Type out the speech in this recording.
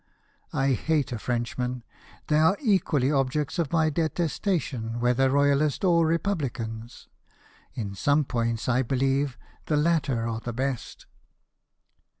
I hate a Frenchman ; they are equally objects of my detestation whether Royalists or Repubhcans; in some points I believe the latter are the best."